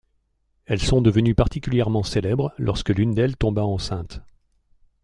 Elles sont devenues particulièrement célèbres lorsque l'une d'elles tomba enceinte.